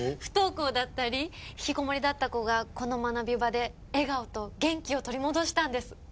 不登校だったり引きこもりだった子がこの学び場で笑顔と元気を取り戻したんです。